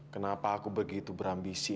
kenapa aku begitu berambisi